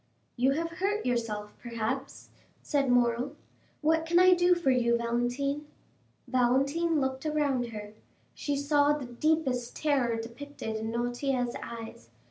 "You have hurt yourself, perhaps," said Morrel. "What can I do for you, Valentine?" Valentine looked around her; she saw the deepest terror depicted in Noirtier's eyes.